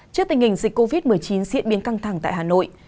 trước tình hình dịch covid một mươi chín diễn biến căng thẳng tại hà nội